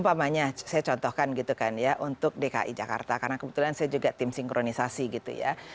umpamanya saya contohkan gitu kan ya untuk dki jakarta karena kebetulan saya juga tim sinkronisasi gitu ya